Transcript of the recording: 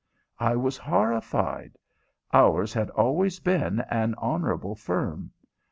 I was horrified. Ours had always been an honorable firm.